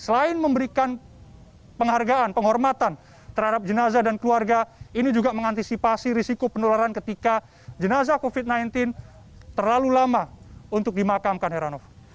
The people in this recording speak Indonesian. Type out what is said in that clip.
selain memberikan penghargaan penghormatan terhadap jenazah dan keluarga ini juga mengantisipasi risiko penularan ketika jenazah covid sembilan belas terlalu lama untuk dimakamkan heranov